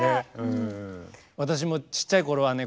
私もちっちゃいころはね